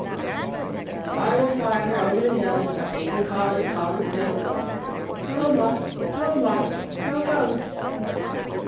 Farther, farther over the hill, Faintly calling, calling still, "Co', boss! co', boss! co'! co'!"